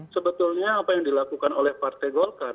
sebetulnya apa yang dilakukan oleh partai golkar